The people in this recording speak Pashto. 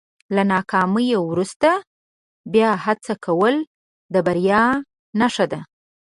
له ناکامۍ وروسته بیا هڅه کول د بریا نښه ده.